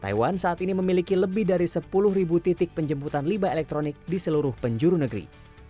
taiwan saat ini memiliki lebih dari sepuluh ribu titik penjemputan limba elektronik di seluruh penjuru negeri